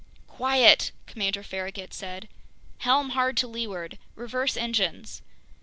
"Quiet!" Commander Farragut said. "Helm hard to leeward! Reverse engines!"